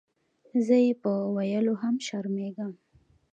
زۀ یې پۀ ویلو هم شرمېږم.